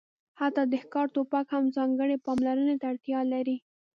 حتی د ښکار ټوپک هم ځانګړې پاملرنې ته اړتیا لري